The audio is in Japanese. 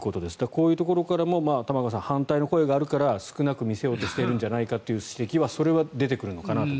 こういうところからも反対の声があるから少なく見せようとしているんじゃないかという指摘はそれは出てくるのかなと。